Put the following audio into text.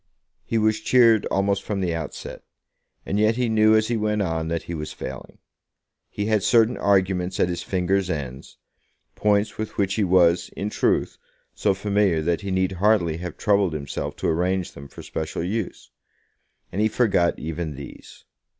He was cheered almost from the outset, and yet he knew as he went on that he was failing. He had certain arguments at his fingers' ends, points with which he was, in truth, so familiar that he need hardly have troubled himself to arrange them for special use, and he forgot even these.